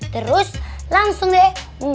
terus langsung deh